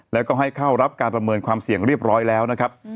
แล้วก็ให้เข้ารับการประเมินความเสี่ยงเรียบร้อยแล้วนะครับ